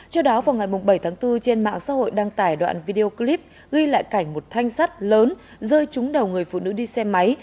trước đó vào ngày bảy tháng bốn trên mạng xã hội đăng tải đoạn video clip ghi lại cảnh một thanh sắt lớn rơi trúng đầu người phụ nữ đi xe máy